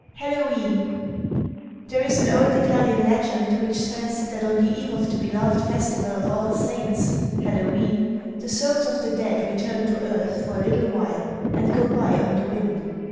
HALLOWE'EN There is an old Italian legend which says that on the eve of the beloved festival of All Saints (Hallowe'en) the souls of the dead return to earth for a little while and go by on the wind.